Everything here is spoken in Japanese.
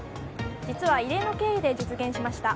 実は異例の経緯で実現しました。